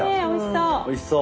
えおいしそう！